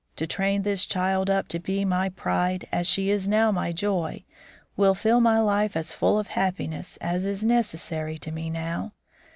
To train this child up to be my pride as she is now my joy, will fill my life as full of happiness as is necessary to me now.